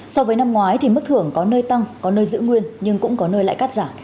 so với năm ngoái thì mức thưởng có nơi tăng có nơi giữ nguyên nhưng cũng có nơi lại cắt giảm